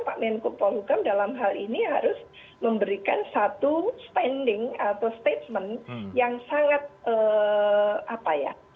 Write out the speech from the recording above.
pak menko polhukam dalam hal ini harus memberikan satu standing atau statement yang sangat apa ya